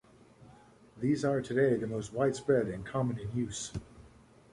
These are today the most widespread and common in use.